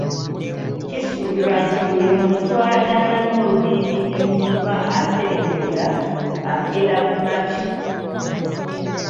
Kisuubirwa nti buli muntu an'alima olubimbi ne lunyuma ate ne luwera, akeera ku makya.